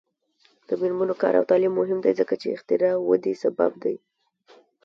د میرمنو کار او تعلیم مهم دی ځکه چې اختراع ودې سبب دی.